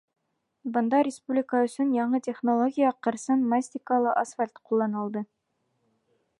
Бында республика өсөн яңы технология — ҡырсын-мастикалы асфальт ҡулланылды.